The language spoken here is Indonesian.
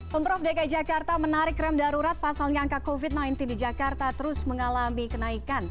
pemprov dki jakarta menarik rem darurat pasalnya angka covid sembilan belas di jakarta terus mengalami kenaikan